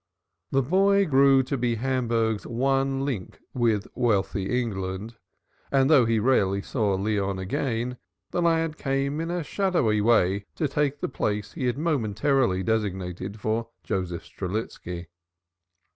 The boy grew to be Hamburg's one link with wealthy England, and though he rarely saw Leon again, the lad came in a shadowy way to take the place he had momentarily designed for Joseph Strelitski.